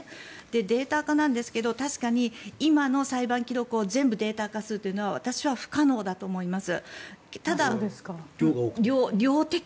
データ化なんですが確かに今の裁判記録を全部データ化するというのは私は不可能だと思います。